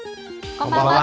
こんばんは。